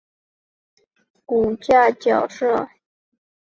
由单糖取代了甘油酯和磷脂中甘油的骨架角色。